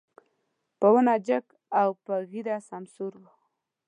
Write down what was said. په ونه جګ او په ږيره سمسور و.